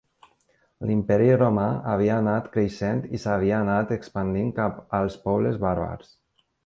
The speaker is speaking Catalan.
L'Imperi romà havia anat creixent i s'havia anat expandint cap als pobles bàrbars.